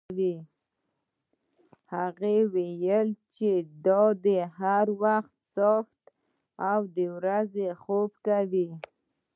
هغې ویل چې دی هر وخت څاښتي او د ورځې خوب کوي.